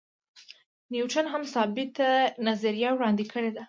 نیوټن هم ثابته نظریه وړاندې کړې ده.